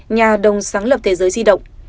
nhà đồng sáng lập thế giới di động